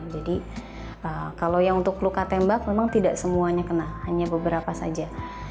jadi kalau yang untuk luka tembak memang tidak semuanya kena hanya beberapa saja